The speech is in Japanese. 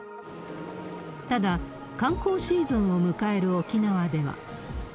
ただ、観光シーズンを迎える沖縄では。